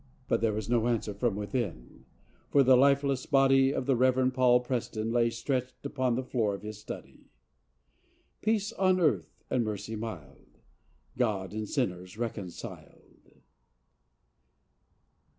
" But there was no answer from within, for the life¬ less body of the Reverend Paul Preston lay stretched upon the floor of his study. " Peace on earth and mercy mild, God and sinners reconciled